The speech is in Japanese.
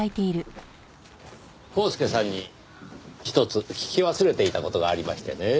コースケさんにひとつ聞き忘れていた事がありましてね。